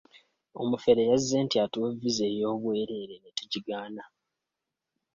Omufere yazze nti atuwe viza ey'obwereere ne tugigaana.